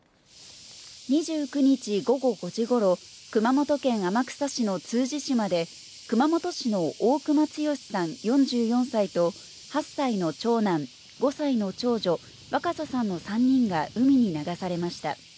２９日午後５時ごろ、熊本県天草市の通詞島で、熊本市の大熊剛さん４４歳と、８歳の長男、５歳の長女、和花咲さんの３人が海に流されました。